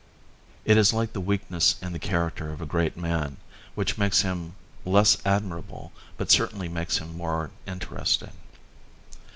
It is like the weakness in the character of a great man which may make him less admirable but certainly makes him more interesting.